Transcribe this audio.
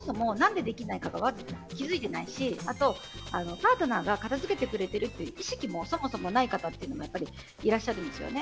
あとは、片付けが苦手な方ってそもそも何でできないか気づいてないし、パートナーが片付けてくれてるっていう意識がそもそもない方っていらっしゃるんですよね。